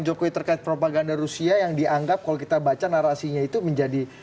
jokowi terkait propaganda rusia yang dianggap kalau kita baca narasinya itu menjadi